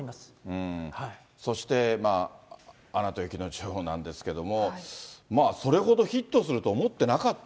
そして、アナと雪の女王なんですけれども、それほどヒットすると思ってなかった。